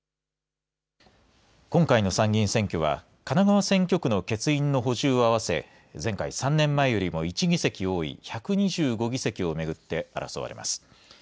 今回の参議院選挙は神奈川選挙区の欠員の補充を合わせ前回３年前よりも１議席多い１２５議席を巡って争われます。